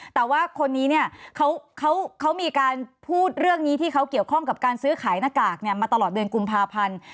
แต่ว่าคนนี้เนี่ยเขามีการพูดเรื่องนี้ที่เขาเกี่ยวข้องกับการซื้อขายหน้ากากมาตลอดเดือนกุมภาพันธ์